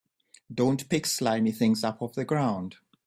Don't pick slimy things up off the ground.